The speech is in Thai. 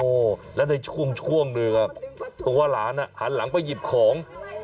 โอ้โหแล้วในช่วงหนึ่งตัวหลานหันหลังไปหยิบของ